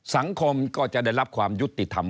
สังคมก็จะได้รับความยุติธรรม